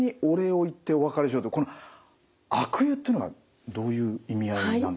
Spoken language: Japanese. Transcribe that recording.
これ悪友ってのはどういう意味合いなんでしょうか。